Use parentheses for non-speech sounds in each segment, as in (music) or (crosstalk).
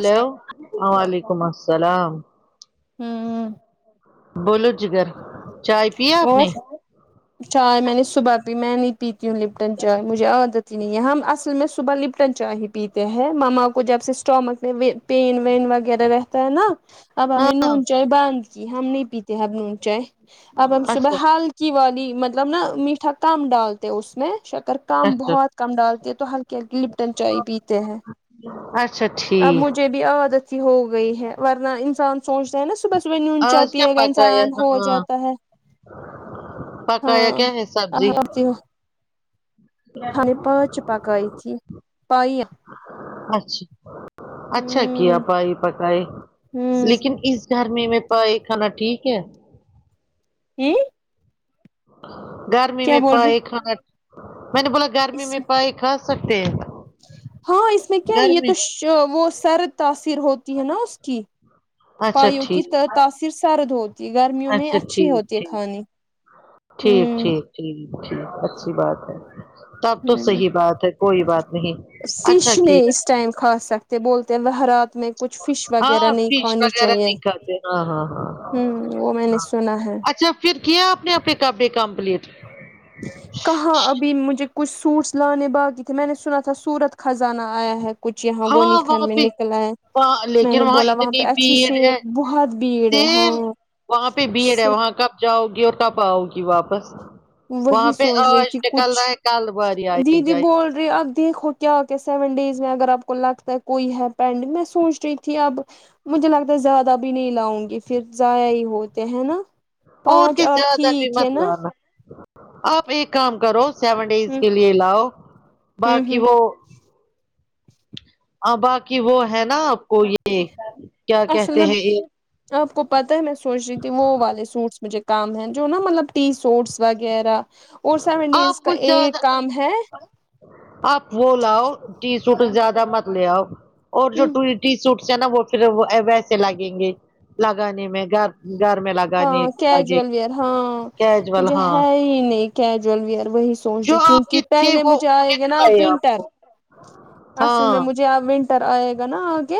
Hello اسلام وعلیکم السلام ہوں ہوں بولو جگر چائے پیا آپ نے اور چائے میں نے صبح پی میں نہیں پیتی ہوں لپٹن چائے مجھے عادت ہی نہیں ہم اصل میں صبح لپٹن چائے ہی پیتے ہیں مما کو جب سے اسٹامک میں و پن وین وغیرہ رہتا ہے نا اب ہم نے ہاں نون چائے بند کی ہم نہیں پیتے اب نون چائے اب ہم اچھا صبح ہلکی والی مطلب نا میٹھا کم ڈالتے اس میں شکر کم اچھا بہت کم ڈالتے ہے تو ہلکی ہلکی لپٹن چائے پیتے ہیں اچھا ٹھیک ابھی عادت سی ہو گئی ہے ورنہ انسان سوچتے ہیں نا صبح میں یوں آج چاہتی کیا ہے کے پکایا انسان ہو ہاں جاتا ہے پکایا ہاں کیا ہے اب سبزی کرتی ہوں ہم نے پانچ پکائی تھی پائیا اچھا اچھا کیا ہوں پائے پکائے ہوں لیکن اس گرمی میں پائے کھانا ٹھیک ہے ئی گرمی میں بول پائے رہے کھانا میں نے بولا گرمی اس میں پائے کھا سکتے ہاں اس میں کیا ہے یہ گرمی تو شو وہ سرد تاثیر ہوتی ہے نا اس کی اچھا پائیوں کی ت ٹھیک تاثیر سرد ہوتی گرمیوں میں اچھا اچھی ٹھیک ہوتی ہے ٹھیک کھانے ٹھیک ٹھیک ٹھیک ٹھیک اچھی بات ہے تب تو ہوں صحیح بات ہے کوئی بات نہیں اچھا فش نہیں کیا اس ٹائم کھا سکتے بولتے ہیں وہ رات میں کچھ فش وغیرہ ہاں نہیں فش کھانی وغیرہ چاہیے نہیں کھاتے ہاں ہاں ہاں ہوں وہ میں نے سنا ہے اچھا پھر کیا اپنے اپنے کپڑے کمپلیٹ کہاں ابھی مجھے کچھ سوٹس لانے باقی تھے میں نے سنا تھا سورت خزانہ آیا ہے کچھ یہاں ہاں گونی وہاں خان میں پہ نکلا ہے وہاں میں لیکن نے بولا وہاں پہ اتنی اچھی بھیڑ سیل ہے بہت بھیڑ ہے ہاں سیم وہاں پہ بھیڑ ہے وہاں کب جاؤ گی اور کب آؤ گی واپس وہی وہاں پہ سوچ رہی آج تھی نکل رہا ہے کال باری آئی جائے ارے اب دیکھو کیا کیا سیون ڈیز میں اگر آپ کو لگتا ہے کوئی ہے پینڈنگ میں سوچ رہی تھی اب مجھے لگتا ہے زیادہ بھی نہیں لاؤں گی پھر ضائع ہی ہوتے ہے نا اور پانچ کیا آٹھ زیادہ بھی ٹھیک مت لانا آپ ایک کام کرو سیون ڈیز ہ کے لیے لاؤ ہ باقی ہ وہ ہاں باقی وہ ہے نا آپ کو یہ کیا اصل کہتے میں ہیں یہ آپ کو پتہ ہے میں سوچ رہی تھی وہ والے سوٹس مجھے کام ہیں جو نا مطلب ٹی سوٹس وغیرہ اور سیون ڈیز آپ کا کچھ زیادہ ایک کام ہے آپ وہ لاؤ ٹی سوٹ زیادہ مت لے آؤ اور جو ٹو ٹی سوٹس ہے نا وہ پھر ویسے لگیں گے لگانے میں گھر گھر میں لگا ہاں کجویل ویئر ہاں کیجول مجھے ہاں ہے ہی نہیں کیجول ویئر وہی سوچ رہی جو آپ کیونکہ کے تھے پہلے وہ مجھے انہوں نے آئے گا نا اب دلائے آپ ونٹر کو اصل میں ہاں مجھے ج ونٹر آئے گا نا آگے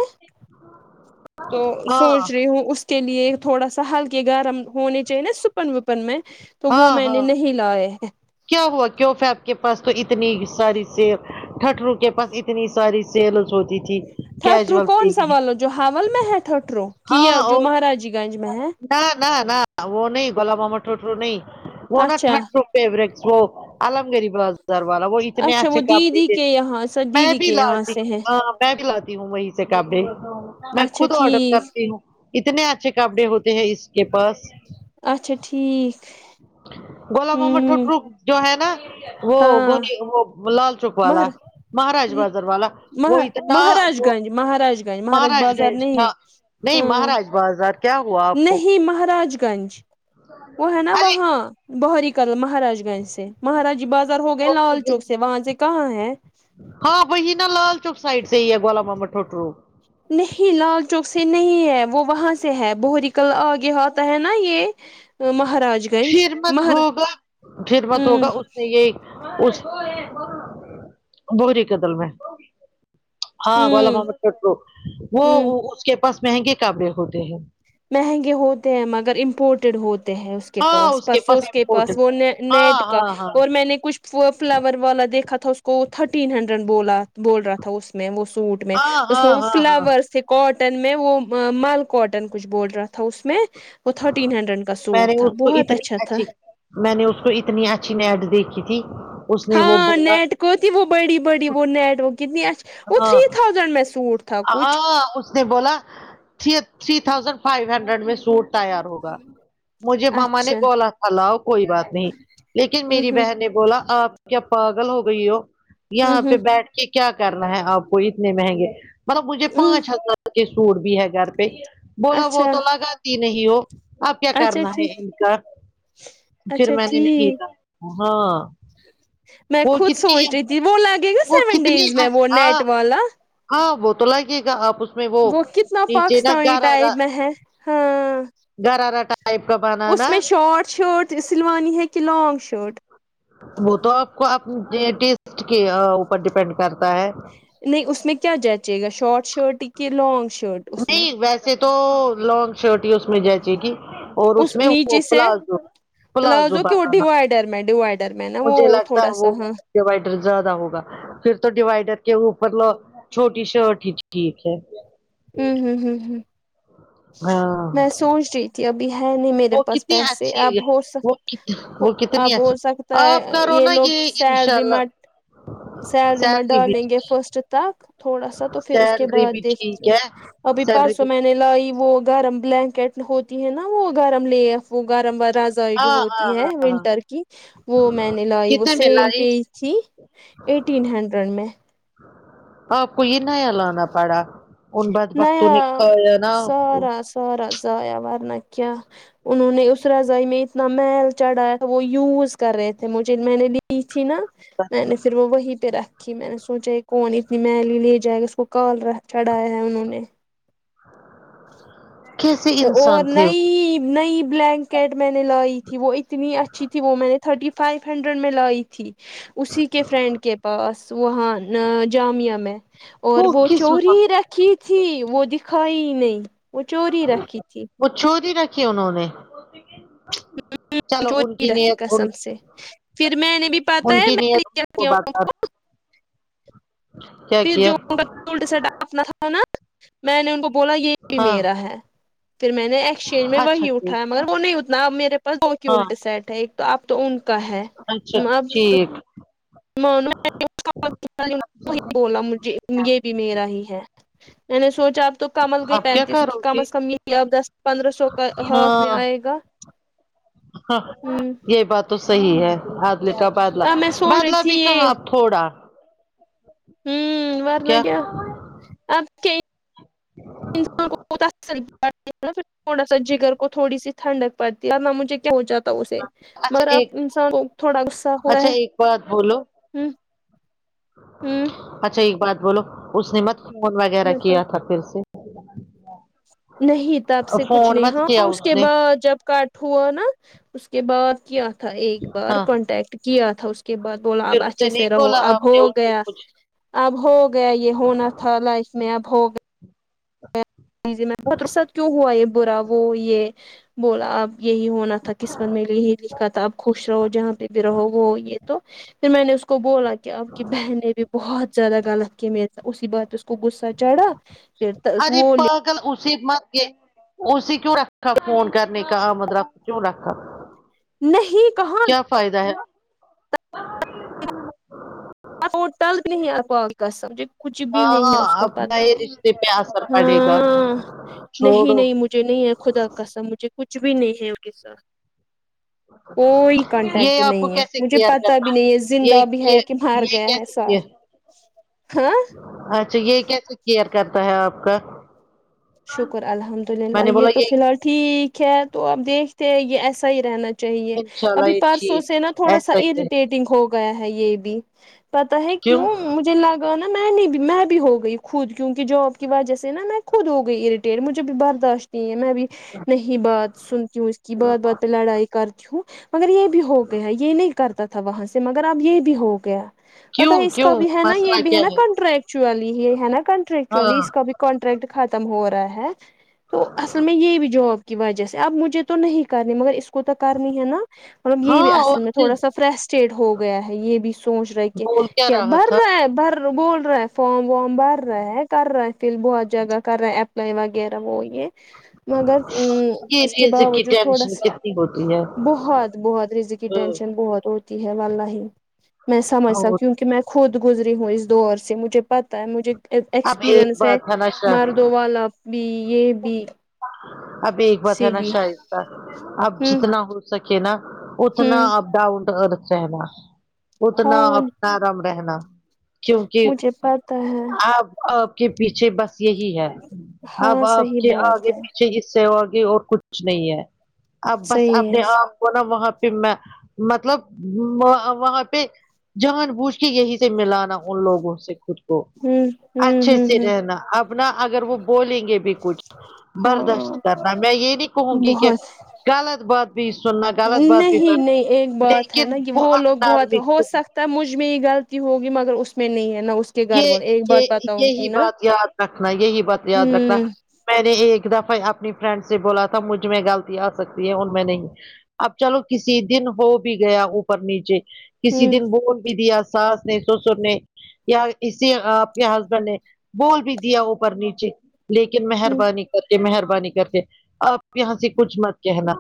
تو ہاں سوچ رہی ہوں اس کے لیے تھوڑا سا ہلکے گرم ہونے چاہیے نا سپن وپن میں تو وہ ہاں میں نے ہاں نہیں لائے ہیں کیا ہوا کیف آپ کے پاس تو اتنی ساری سی ٹٹرو کے پاس اتنی ساری سیلس ہوتی تھی تھٹرو کیجل سی کون سا لی والا جو ہاول میں ہے تھوٹرو کیا جو اور مہاراجی گنج میں ہے نہ نہ نہ وہ نہیں گلاب آمنٹوٹ ہو نہیں وہ اچھا نہٹھرڈ ہو فیورٹ شو علم گری بس ر والا وہ اتنے اچھا اچھے وہ کپڑے دیدی کے دیتے یہاں سے میں دیدی بھی کے یہاں لالتی سے ہے میں بھی لاتی ہوں وہیں سے کپڈے میں اچھا خود آڈر ٹھیک کرتی اتنے اچھے کپڑے ہوتے ہیں اس کے پاس اچھا ٹھیک گلا معمو ہوں ٹٹرو جو ہے نا وہ ہاں گونی وہ لال چوک والا مہر مہاراج بازار والا وہ اتنا مہاراج وہ گنج مہاراج گنج مہاراج بازار گنج نہیں ہاں نہیں ہاں مہاراج بازار کیا ہوا آپ کو نہیں مہاراج گنج وہ ہے نا ارے وہاں بہری کل مہاراج گنج مہاراجی بازار ہو گئے وہ لال چوک مجھے سے وہاں سے کہاں ہے ہاں وہی نا لال چوک سائڈ سے بولا مما ٹوٹرو نہیں لال چوک سے نہیں ہے وہ وہاں سے ہے بہور کل آگے آتا ہے نا یہ مہاراج گنج پھر مت مہر ہوگا پھر مت ہمم ہوگا اس یہ اس بوہری قدل میں ہاں گولا ہوں ماما ٹھٹہرو وہ ہوں اس کے پاس مہنگے کاپڈے ہوتے ہیں مہنگے ہوتے ہیں مگر امپورٹیڈ ہوتے ہیں کے پاس پرسوں اس کے پاس وہ نیٹ ہاں نیٹ کا ہاں ہاں اور میں نے کچھ فلاور والا دیکھا تھا اس کو وہ تھرٹین ہنڈریڈ بولا بول رہا تھا اس میں وہ سوٹ میں ہاں اس میں ہاں وہ ہاں ہاں فلاورز تھ کاٹن میں وہ مل کاٹن کچھ بول رہا تھا اس میں وہ تھرٹین ہنڈریڈ کا میں سوٹ نے تھا اس کو بہت اتنی اچھا تھا اچھی میں نے اس کو اتنی اچھی نیڈ دیکھی تھی اس نے وہ ہاں بولا نیٹ کوتی وہ بڑی بڑی وہ نیٹ وہ کتنی اچھا وہ ہاں تھری تھاؤزینڈ میں سوٹ تھا کچھ ہاں اس نے بولا تھ تھری تھازینڈ فائیو ہنڈریڈ میں سوٹ ہوگا مجھے ماما نے اچھا بولا تھا لاؤ کوئی بات نہیں لیکن ہ میری ہ بہن نے بولا آپ کیا پاگل ہو گئی ہو ہ یہاں پہ ہ بیٹھ کے کیا کرنا ہے آپ کو اتنے مہنگے مطلب مجھے ہ پانچ ہزار کے سوٹ بھی ہے گھر پہ بولا وہ اچھا تو لگاتی نہیں ہو اب کیا اچھا کرنا ہے ٹھیک ان کا پھر اچھا میں نے نہیں ٹھیک کہ ہاں میں وہ خود سوچ کتنی رہی تھی وہ لگے گا وہ سیون کتنی ڈیز میں وہ ہاں نیٹ والا ہاں وہ تو لگے گا آپ اس وہ کتنا نیچے نا پاکستانی گرارا ٹائپ میں ہے ہاں گرارا ٹائپ کا اس بنانا میں شارٹ شرٹ سلوانی ہے کہ لانگ شرٹ وہ تو آپ کو آپ کے ٹیسٹ کے اوپر ڈیپینڈ کرتا ہے نہیں اس میں کیا جاچیے گا شارٹ شرٹ کہ لانگ شرٹ اس میں نہیں ویسے تو لانگ شرٹ ہی اس میں جچے گی اور اس میں وہ نیچے سے پلازو پلازو کی وہ ڈیوائڈر میں ڈیوائڈر میں نا وہ تھوڑا سا ہاں پروائڈر زیادہ ہوگا پھر تو ڈیوائڈر کے اوپر لو چھوٹی شرٹ ہی ٹھیک ہے ہوں ہوں ہوں ہوں ہاں میں سوچ رہی تھی ابھی ہے نہیں میرے وہ پاس کتنی پیسے اچھی اب ہو وہ سک کت وہ کتنی اب ہو اچھی سکتا آپ ہے کرو یہ نا لوگ سیل انشاء اللہ ریمٹ سیلری میں ڈالیں گے فرسٹ تک تھوڑا سا تو پھر اس کے سیلری بھی بعد دیکھتی ٹھیک ہوں ہے ابھی پا سیلری سو بھی میں نے لایی وہ گرم بلینکٹ ہوتی ہے نا وہ گرم لیف وہ گرم جو ہاں ہاں ہوتی ہے ہاں ونٹر کی وہ میں نے لائی وہ کتنے میں سیل لائی پی تھی ایٹین ہنڈریڈ میں آپ کو یہ نیا لانا پڑا ان بد بختوں نے نیا کھایا نہ آپ کو سارا سارا ضایع وورنہ کہ انہوں نے اس رضائی میں اتنا میل چڑھایا تھا وہ یوز کر رہے تھے مجھے میں نے نہیں چھنا میں نے پھر وہ وہ پہ رکھ میں نے سوچا یہ کون اتنی میلی لے جائے گا اس کو کال ر چڑھایا ہے انہوں نے کیسے اور انسان تھے وہ نئی نئی بلینکٹ میں نے لائی تھی وہ ای اتنی اچھی تھی وہ میں نے تھرٹی فائیو ہنڈریڈ میں لائی تھی اسی کے فرینڈ کے پاس وہاں جامعہ میں اور وہ کس ماں چوری رکھی تھی وہ دکھائی نہیں وہ چوری رکھی تھی وہ چوری رکھی انہوں نے (inaudible) چلو چہ ان کی (unintelligible) نیت ان قسم سے پھر میں نے بھی پتاہ ان ہے کی میں نے نیت کیا کیا ان بتا کو کیا پھر کیا جو ان کا سے ڈاننا تھا نا میں نے ان کو بولا یہ بھی ہاں میرا ہے پھر میں نے ایکسچینج میں اچھا وہی کیا اٹھایا مگر وہ نہیں اتنا اب میرے پاس دو ہاں الٹ سیٹ ہے ایک تو اب تو ان کا ہے اب ایک (inaudible) بلا مجھے یہ بھی میرا ہی ہے میں نے سوچا تو کمل گئی آپ کیا پینتیس کرو کم گے از کم یہ اب دس پندرہ سو کا ہاتھ ہاں میں آئے گا ہاں ہوں یہ بات تو صحیح ہے عادلہ کا بادلہ اب میں سوچ رہی بادلہ تھی بھی کہاں یہ آپ تھوڑا ہوں کیا وارنگ ہے اپ کے (unintelligible) پھر تھوا سا جگر کو تھوڑی سی تھنڈک پڑتی نہ مجھے کیا ہو جاتا تو اسے اچھا مگر اب ایک انسان کو تھوڑا غصہ ہوا اچھا ہے ایک بات بولو ہم اچھا ایک بات بولو اس نے مت فون وغیرہ بتا کیا تھا پھر سے (inaudible) نہیں تب سے کچھ فون نہیں مت کیا ہاں اس کے نے بعد جب کاٹ ہوا نا اس کے بعد کیا تھا ایک بار ہاں کانٹیکٹ کیا تھا اس کے بعد بولا پھر اب اسے اچھے نہیں سے رہو بولا اب آپ ہو نے اس کو گیا کچھ اب ہو گیا یہ ہونا تھا لائف میں اب ہو گیا جی جی میم بہتر سات کیوں ہوا یہ برا وہ یہ بولا اب یہی ہونا تھا قسمت میں یہی لکھا تھا آپ خوش رہو جہاں پہ بھی رہو وہ یہ تو پھر میں نے اس کو بولا کہ اب کی بہن نے بھی بہت زیادہ غلط کی میرے سے اسی بات پہ اس کو غصہ چڑھا پھر ارے وہ پاگل اسے مت دے اسے کیوں رکھا فون کرنے کا آ مطلب کیوں رکھا نہیں کہاں کیا فائدہ ہے ہوٹل بھی نہیں آپ آے سمجھے کچھ بھی نہیں ہے اس ہاں کا اب پتہ نئے رشتے پہ اثر پڑے گا ہاں نہیں چھوڑو نہیں مجھے نہیں ہے خدا قسم مجھے کچھ بھی نہیں ہے ان کے ساتھ کوئی کانٹیکٹ یہ آپ کو نہیں ہے کیسے مجھے کیئر پتہ بھی کرنا نہیں ہے یہ زندہ بھی ہے یہ کر مر اچھا یہ کیسے کیئر کرتا ہے آپ کا شکر الحمد للہ میں نے یہ بولا تو فی الحال ٹھیک ہے تو اب دیکھتے یہ ایسا ہی رہنا چاہیے انشاء اللہ ابھی یہ پرسوں چیز سے نا تھوڑا سا ایسا ہی رہے گا۔ اریٹیٹنگ ہو گیا ہے یہ بھی پتا ہے کیوں مجھے لگ انا میں نے بھی میں بھی ہو گئی خود کیونکہ جاب کی وجہ سے نا میں خود ہو گ ئی اریٹیٹ مجھے بھی برداشت نہیں ہے میں بھی نہیں بات سنتی ہوں اس کی بات بات پہ لڑائی کرتی ہوں مگر یہ بھی ہو گیا ہے یہ نہیں کرتا تھا وہاں سے مگر اب یہ بھی ہو گیا بتہ کیوں ہے اس کیوں کا بھی ہے نا یہ مسئلہ بھی ہے کیا نا کنٹریکٹ ایکچولی یہ ہے نا کانٹریکٹ یکچولی ہاں اس کا بھی کانٹریکٹ ختم ہو رہا ہے تو اصل میں یہ بھی جاب کی وجہ سے اب مجھے تو نہیں کرنی مگر اس کو تو کرنی ہے نا مطلب یہ بھی ہاں اور اصل میں تھوڑا پھر سا فرسٹریٹ ہو گیا ہے یہ بھی سوچ رہے کہ کیا بھر رہا ہے بھر بول رہا ہے فارم وم بھر رہا ہے کر رہے ہیں فل بہت جگہ کر رہا ہے ایپلائی وغیرہ وہ یہ مگر ا یہ اس کے رزق کی باوجود تھوڑا ٹینشن سا کتنی ہوتی ہے بہت بہت رضلٹ کی ٹینشن ہاں، بہت ہوتی ہے والا ہی میں سمجھ سکتی اور کیونکہ میں خود گزری ہوں اس دور سے مجھے پتہ ہے مجھے اب ایک ایکسپیرئنس ہے بات نا شا ہر دو والا اپنی یہ بھی اب ایک بات ہے اسی نا لیے شائستہ اب ہوں جتنا ہو سکے نا اتنا ہوں اب ڈون ٹو ارتھ رہنا اتنا ہاں آپ نرم رہنا کیونکہ مجھے پتا ہے آپ آپ کے پیچھے بس یہی ہے اب ہاں آپ صحیح کے بات آگے ہے پی چھے اس سے اگے اور کچھ نہیں ہے اب بس صحیح ہے اپنے آپ کو نہ وہاں پہ میں مطلب واں وہاں پہ جان بوجھ کے یہی سے ملانا ان لوگوں سے خود کو ہوں ہوں اچھے ہوں سے ہوں رہنا اب نہ اگر وہ بولیں گے بھی کچھ ہاں برداشت کرنا میں یہ نہیں کہوں گی کہ بہت غلط بات بھی سننا غلط بات بھی نہیں کرنا، نہیں ایک بات ہے لیکن نا کہ وہ لوگ بہت ہو نارمک سک تا مجھ میں یہ غلطی ہوگی مگر اس میں نہیں ہے نہ اس کے گھر یہ والے ایک یہ بات بتاؤں گی یہی نا بات یاد رکھنا یہی بات یاد رکھنا ہوں میں نے ایک دفعہ اپنی فرینڈ سے بولا تھا مجھ میں غلطی آ سکتی ہے ان میں نہیں اب چلو کسی دن ہو بھی گیا اوپر نیچے کسی ہوں دن بول بھی دیا ساس نے سسر نے یا اسی آپ کے ہسبینڈ نے بول بھی دیا اوپر نیچے لیکن ہوں مہربانی کر کے مہربانی کر کے آپ یہاں سے کچھ مت کہنا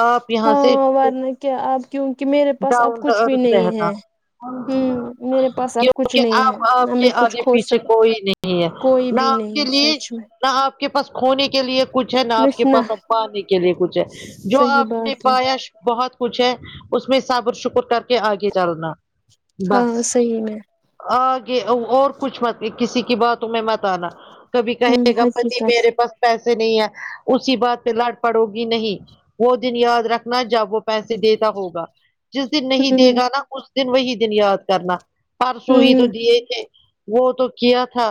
آپ یہاں سے ہاں ورنہ کیا اب کیونکہ میرے پاس اب ڈاؤن ٹو کچھ بھی ارتھ نہیں رہنا ہے ہوں میرے پاس اب کچھ کہ نہیں اب ہے نہ آپ میں کے کچھ آگے کھو پیچھے سک کوئی نہیں ہے کوئی نہ بھی آپ کے نہیں لیے سچ میں نہ آپ کے پاس کھونے کے لیے کچھ ہے نہ آپ نس کے نہ پاس اب پانے کے لیے کچھ ہے جو صحیح آپ نے بات ہے پایا بہت کچھ ہے اس میں صبر شکر کر کے آگے چلنا بس جی میں آگے اور کچھ مت کسی کی باتوں میں مت آنا کبھی ہوں کہے گا پتی حقیقت میرے پاس پیسے نہیں ہے اسی بات پہ لڑ پڑو گی نہیں وہ دن یاد رکھنا جب وہ پیسے دیتا ہوگا جس دن نہیں دے ہوں گا نا اس دن وہی دن یاد کرنا ہرسو ہی تو ہوں دیے تھے وہ تو کیا تھا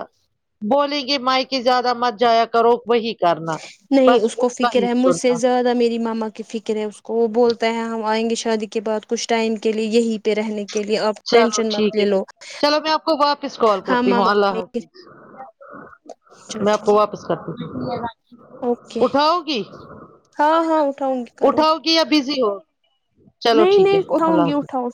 بولیں گے میکے زیادہ مت جایا کرو وہی کرنا نہیں بس اس ان کو کا فکر ہی ہے مجھ سے سننا زیادہ میری ماما فکر ہے اس کو وہ بولتا ہے ہم آئیں گے شادی کے بعد کچھ ٹائم کے لیے یہیں پہ رہنے کے لیے آپ چلو ٹینشن مت ٹھیک لے ہے لو چلو میں آپ کو واپس کال ہاں کرتی ہوں ماما اللہ حافظ چلو ٹھیک ہے اوکے پٹھا ہوگ ہاں ہاں اٹھاؤں گی کرو پٹھاؤگ بزی ہو چلو نہیں ٹھیک ہے نہیں اللہ اٹھاؤں گی حافظ اٹھاؤ